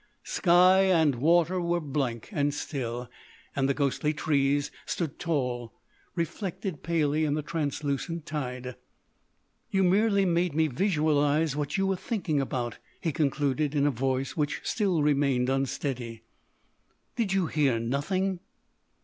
Sky and water were blank and still, and the ghostly trees stood tall, reflected palely in the translucent tide. "You merely made me visualise what you were thinking about," he concluded in a voice which still remained unsteady. "Did you hear nothing?"